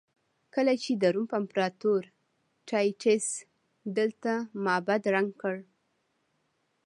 کله چې د روم امپراتور ټایټس دلته معبد ړنګ کړ.